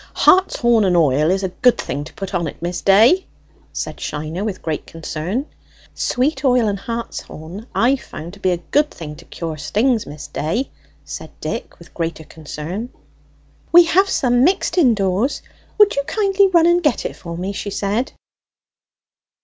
"Hartshorn and oil is a good thing to put to it, Miss Day," said Shiner with great concern. "Sweet oil and hartshorn I've found to be a good thing to cure stings, Miss Day," said Dick with greater concern. "We have some mixed indoors; would you kindly run and get it for me?" she said.